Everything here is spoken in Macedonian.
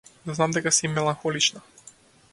Знам дека си мелахонична.